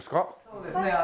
そうですね